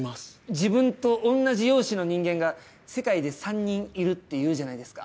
自分と同じ容姿の人間が世界で３人いるって言うじゃないですか。